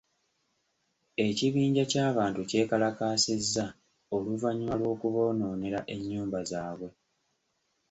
Ekibinja ky'abantu kyekalakaasizza oluvannyuma lw'okuboonoonera ennyumba zaabwe.